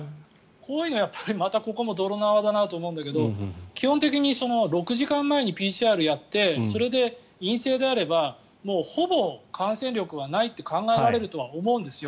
ここも泥縄だなと思うんだけど基本的に６時間前にＰＣＲをやってそれで陰性であればほぼ感染力はないって考えられると思うんですよ。